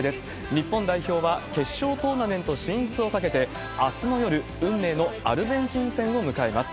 日本代表は決勝トーナメント進出を懸けて、あすの夜、運命のアルゼンチン戦を迎えます。